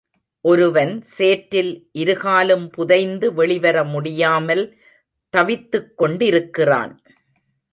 ஒருவன் சேற்றில் இருகாலும் புதைந்து வெளிவர முடியாமல் தவித்துக் கொண்டிருக்கிறான்.